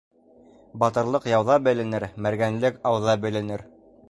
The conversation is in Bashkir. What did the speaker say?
Батырлыҡ яуҙа беленер, мәргәнлек ауҙа беленер.